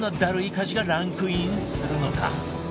家事がランクインするのか？